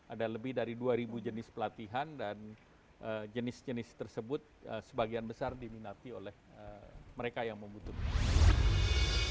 ada lebih dari dua jenis pelatihan dan jenis jenis tersebut sebagian besar diminati oleh mereka yang membutuhkan